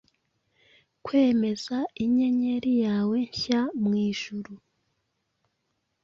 Kwemeza Inyenyeri yawe, nhya mwijuru,